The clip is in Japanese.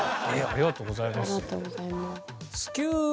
ありがとうございます。